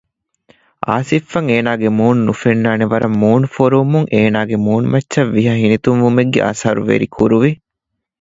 އާސިފްއަށް އޭނާގެ މޫނު ނުފެންނާނެ ވަރަށް މޫނު ފޮރުވުމުން އޭނާގެ މޫނުމައްޗަށް ވިހަ ހިނިތުންވުމެއްގެ އަސަރު ވެރިކުރުވި